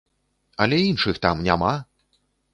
Але іншых там няма!